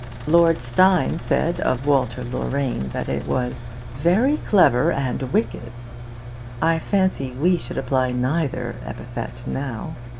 Lord Steyne said of WALTER LORRAINE that it was 'very clever and wicked.' I fancy we should apply neither epithet now.